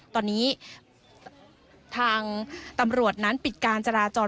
ตอนนี้ทางตำรวจนั้นปิดการจราจร